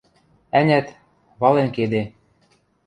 – Ӓнят, вален кеде...